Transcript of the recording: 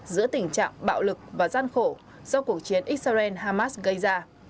giữa tình trạng bạo lực và gian khổ do cuộc chiến israel hamas gây ra